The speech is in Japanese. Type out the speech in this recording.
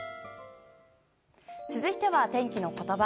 続いては、天気のことば。